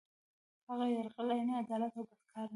هغه یرغل عین عدالت او بد کار نه وو.